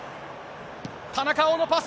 田中碧のパス。